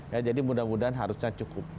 ya jadi mudah mudahan harusnya cukup